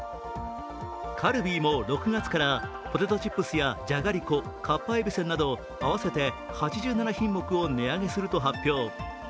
カルビーも６月から、ポテトチップスやじゃがりこ、かっぱえびせんなど合わせて８７品目を値上げすると発表。